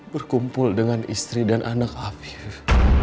berkumpul dengan istri dan anak afif